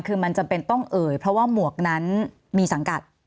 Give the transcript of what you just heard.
คือมันจำเป็นต้องเอ่ยเพราะว่าหมวกนั้นมีสังกัด